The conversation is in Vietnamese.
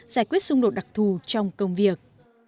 giải quyết xung đột đặc thù trong công việc